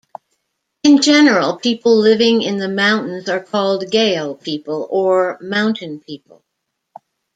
In general people living in the mountains are called gayo people or mountain people.